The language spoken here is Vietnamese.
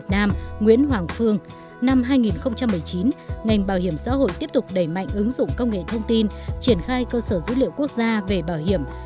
nguyễn hoàng phương năm hai nghìn một mươi chín ngành bảo hiểm xã hội tiếp tục đẩy mạnh ứng dụng công nghệ thông tin triển khai cơ sở dữ liệu quốc gia về bảo hiểm